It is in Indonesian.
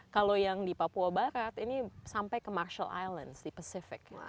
kalau yang di papua barat ini sampai ke marshall islands di pacific